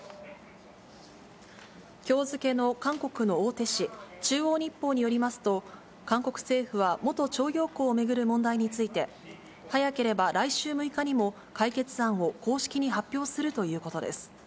きょう付けの韓国の大手紙、中央日報によりますと、韓国政府は元徴用工を巡る問題について、早ければ来週６日にも解決案を公式に発表するということです。